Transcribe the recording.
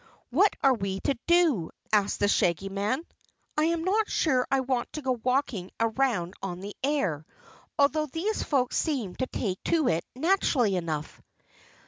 "What are we to do?" asked the Shaggy Man. "I am not sure I want to go walking around on the air, although these folks seem to take to it naturally enough."